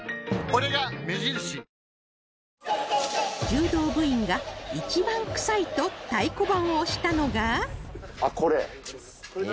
柔道部員が一番クサいと太鼓判を押したのが